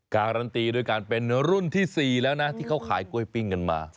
การันตีด้วยการเป็นรุ่นที่๔แล้วนะที่เขาขายกล้วยปิ้งกันมา